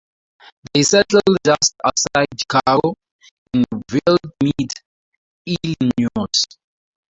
They settled just outside Chicago, in Wilmette, Illinois.